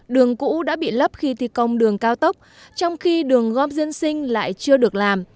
đường cũ đã bị lấp khi thi công đường cao tốc trong khi đường góp dân sinh lại chưa được làm